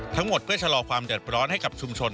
ทั้งหมดเพื่อชะลอความเดือดร้อนให้กับชุมชน